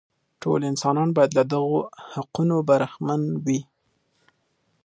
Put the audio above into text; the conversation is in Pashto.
ټول انسانان باید له دغو حقونو برخمن وي.